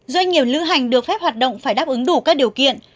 doanh nghiệp lữ hành được phép hoạt động phải đáp ứng đủ các điều kiện